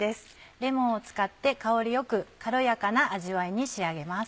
レモンを使って香り良く軽やかな味わいに仕上げます。